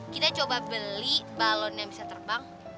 kita coba beli balon yang bisa terbang